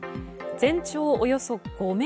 全長およそ５ｍ。